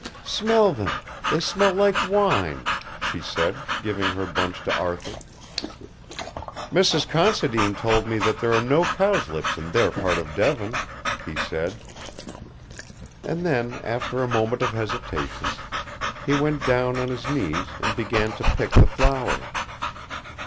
"Smell them, they smell like wine," she said, giving her bunch to Arthur. "Mrs. Considine told me that there are no cowslips in their part of Devon," he said. And then, after a moment of hesitation, he went down on his knees and began to pick the flowers.